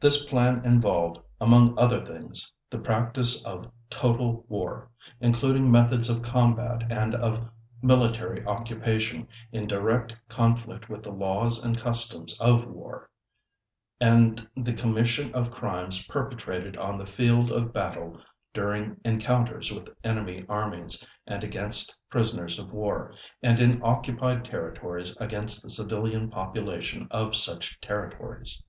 This plan involved, among other things, the practice of "total war" including methods of combat and of military occupation in direct conflict with the laws and customs of war, and the commission of crimes perpetrated on the field of battle during encounters with enemy armies, and against prisoners of war, and in occupied territories against the civilian population of such territories.